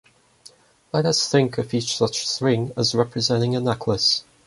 Let us think of each such string as representing a necklace.